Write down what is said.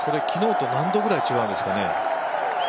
昨日と何度ぐらい違うんですかね。